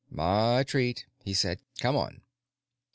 "My treat," he said. "Come on."